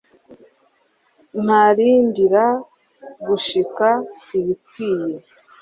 Ntarindira gushika ubikwiye